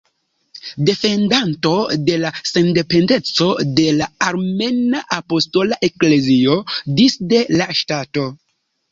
Defendanto de la sendependeco de la Armena Apostola Eklezio disde la ŝtato.